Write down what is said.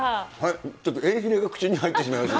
ちょっとエイヒレが口に入ってしまいまして。